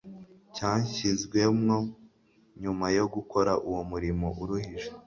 cyashyizwemo. Nyuma yo gukora uwo murimo uruhije,